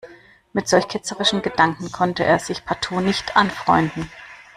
Mit solch ketzerischen Gedanken konnte er sich partout nicht anfreunden.